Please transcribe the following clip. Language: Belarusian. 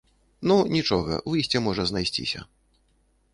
Ну, нічога, выйсце можа знайсціся.